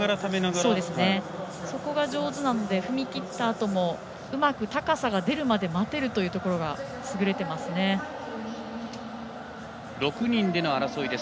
そこが上手なので踏み切ったあともうまく高さが出るまで待てるというところが６人での争いです。